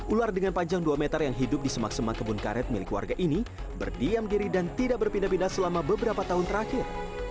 ular dengan panjang dua meter yang hidup di semak semak kebun karet milik warga ini berdiam diri dan tidak berpindah pindah selama beberapa tahun terakhir